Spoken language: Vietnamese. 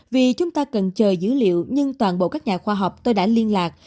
vì chúng ta cần chờ dữ liệu nhưng toàn bộ các nhà khoa học tôi đã liên lạc